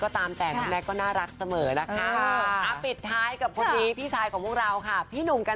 ตามแจกแน็กก็น่ารักเสมอนะคะ